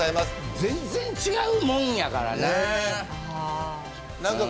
全然、違うもんやからな。